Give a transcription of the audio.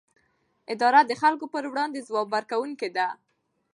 اداره د خلکو پر وړاندې ځواب ورکوونکې ده.